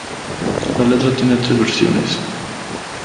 La letra tiene tres versiones.